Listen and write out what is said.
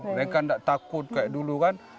mereka tidak takut kayak dulu kan